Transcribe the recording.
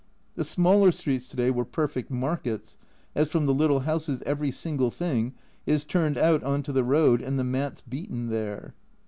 The smaller streets to day were perfect markets, as from the little houses every single thing is turned out on to the road, and the mats beaten there.